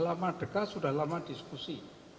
lama dekat sudah lama diskusi